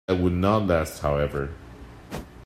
That would not last, however.